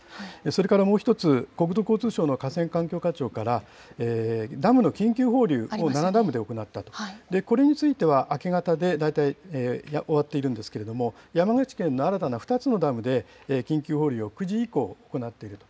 それからもう一つ、国土交通省の河川環境課長からダムの緊急放流を７ダムで行ったと、これについては明け方で大体終わっているんですけれども、山口県の新たな２つのダムで、緊急放流を９時以降、行っていると。